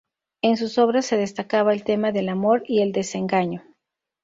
En sus obras se destacaba el tema del amor y el desengaño.